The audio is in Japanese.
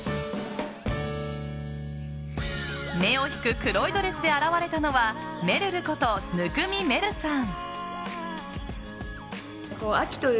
目を引く黒いドレスで現れたのはめるること生見愛瑠さん。